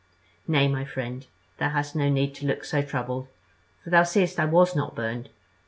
"Nay, my friend, thou hast no need to look so troubled; for thou seest that I was not burned.